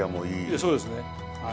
そうですねはい。